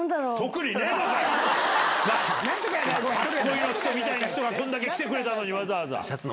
初恋の人みたいな人が来てくれたのにわざわざ。